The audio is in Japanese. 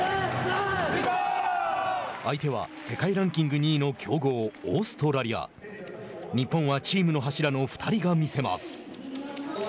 相手は世界ランキング２位の強豪、日本はチームの柱の２人が見せます。